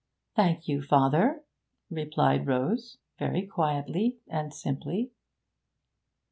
'Thank you, father,' replied Rose, very quietly and simply.